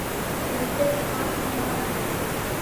کریډټ کارت مې ورکړ.